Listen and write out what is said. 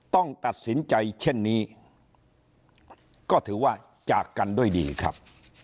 ต้องตัดสินใจเช่นนี้ก็ถือว่าจากกันด้วยดีครับ